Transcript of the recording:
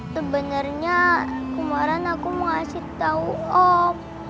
sebenernya kemarin aku mau ngasih tau om